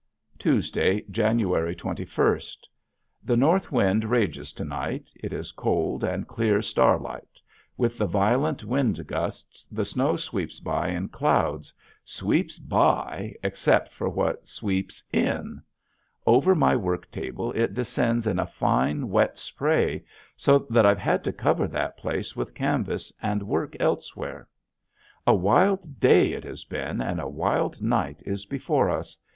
Tuesday, January twenty first. The north wind rages to night. It is cold and clear starlight. With the violent wind gusts the snow sweeps by in clouds sweeps by except for what sweeps in. Over my work table it descends in a fine, wet spray so that I've had to cover that place with canvas and work elsewhere. A wild day it has been and a wild night is before us.